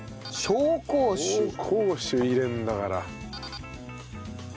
紹興酒入れるんだから。